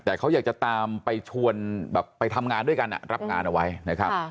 แต่เขาอยากจะตามไปชวนแบบไปทำงานด้วยกันรับงานเอาไว้นะครับ